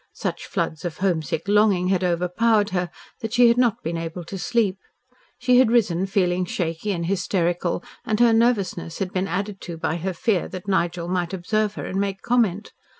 Such floods of homesick longing had overpowered her that she had not been able to sleep. She had risen feeling shaky and hysterical and her nervousness had been added to by her fear that Nigel might observe her and make comment.